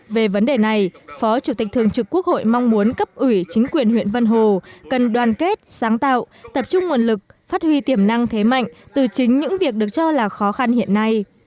về vấn đề này phó chủ tịch thường trực quốc hội mong muốn cấp ủy chính quyền huyện vân hồ cần đoàn kết sáng tạo tập trung nguồn lực phát huy tiềm năng thế mạnh từ chính những việc được cho là khó khăn hiện nay